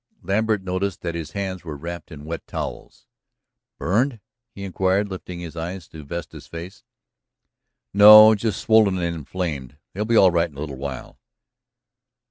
Lambert noticed then that his hands were wrapped in wet towels. "Burned?" he inquired, lifting his eyes to Vesta's face. "No, just swollen and inflamed. They'll be all right in a little while."